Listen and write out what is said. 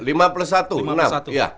lima plus satu enam